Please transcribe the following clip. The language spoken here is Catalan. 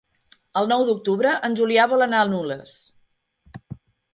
El nou d'octubre en Julià vol anar a Nules.